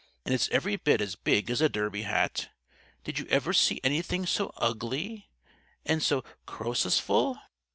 "And it's every bit as big as a derby hat. Did you ever see anything so ugly and so Croesusful?